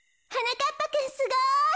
なかっぱくんすごい。